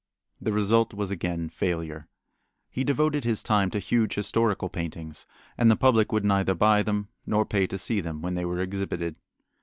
The result was again failure. He devoted his time to huge historical paintings, and the public would neither buy them nor pay to see them when they were exhibited.